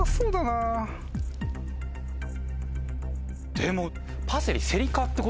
でも。